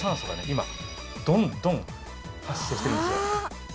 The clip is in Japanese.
今どんどん発生してるんですよ。